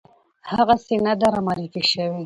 هغسې نه ده رامعرفي شوې